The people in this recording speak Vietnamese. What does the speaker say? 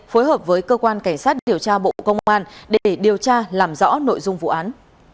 phối hợp với cơ quan cảnh sát điều tra bộ công an để điều tra làm rõ nội dung vụ án